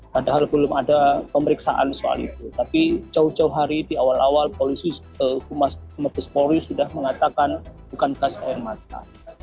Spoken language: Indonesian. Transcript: padahal belum ada pemeriksaan soal itu tapi jauh jauh hari di awal awal polisi humas mabes polri sudah mengatakan bukan gas air mata